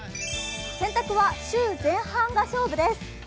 洗濯は週前半が勝負です。